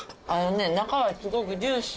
中がすごくジューシー。